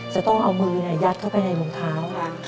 จะต้องเอามือยัดเข้าไปในรองเท้า